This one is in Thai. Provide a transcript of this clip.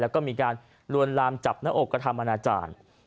แล้วก็มีการลวนลามจับหน้าอกกระทำอนาจารย์